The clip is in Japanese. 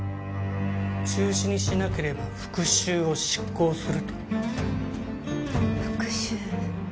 中止にしなければ復讐を執行すると復讐？